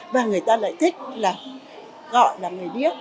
và người ta lại thích là gọi là người điếc